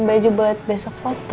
baju buat besok foto